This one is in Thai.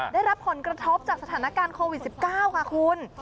ได้รับผลกระทบจากสถานการณ์โควิด๑๙ค่ะคุณ